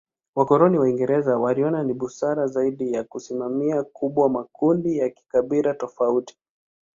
Wakoloni Waingereza waliona ni busara zaidi ya kusimamia kubwa makundi ya kikabila tofauti.